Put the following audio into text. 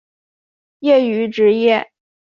业余职业